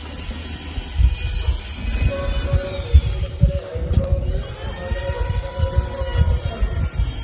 ପାତଅନ୍ତର ନିର୍ବିଶେଷରେ ଆଇନ ବଳରେ ସମାନ ଭାବରେ ରକ୍ଷା ପାଇବାକୁ ହକଦାର ।